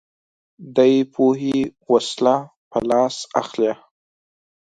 دی پوهې وسله په لاس اخلي